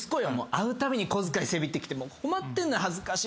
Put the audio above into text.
会うたびに小遣いせびってきて困ってんのよ恥ずかしいわもう。